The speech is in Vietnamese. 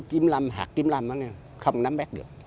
kiểm lâm hạt kiểm lâm không nắm bét được